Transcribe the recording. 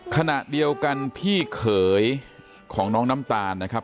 ขณะเดียวกันพี่เขยของน้องน้ำตาลนะครับ